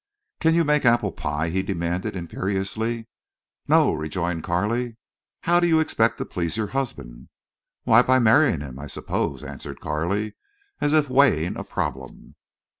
"Can you make apple pie?" he demanded, imperiously. "No," rejoined Carley. "How do you expect to please your husband?" "Why—by marrying him, I suppose," answered Carley, as if weighing a problem.